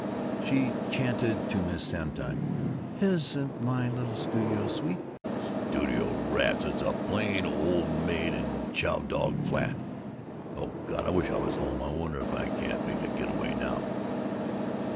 She chanted to Miss Sonntag, "Isn't my little studio sweet?" ("Studio, rats! It's a plain old maid and chow dog flat! Oh, God, I wish I was home! I wonder if I can't make a getaway now?")